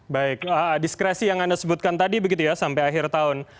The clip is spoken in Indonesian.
baik diskresi yang anda sebutkan tadi begitu ya sampai akhir tahun